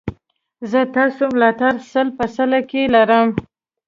زه ستاسو ملاتړ سل په سلو کې لرم